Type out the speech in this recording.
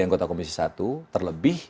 anggota komisi satu terlebih